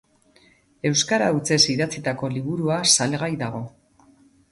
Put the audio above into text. Euskara hutsez idatzitako liburua, salgai dago.